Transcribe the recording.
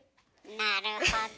なるほど。